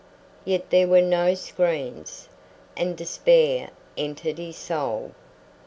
Yet there were no screens, and despair entered his soul.